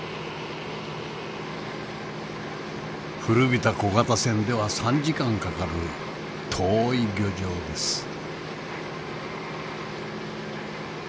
古びた小型船では３時間かかる遠い漁場です。